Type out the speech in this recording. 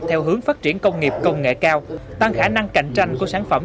theo hướng phát triển công nghiệp công nghệ cao tăng khả năng cạnh tranh của sản phẩm